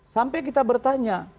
sampai kita bertanya